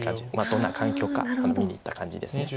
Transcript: どんな環境かを見にいった感じです。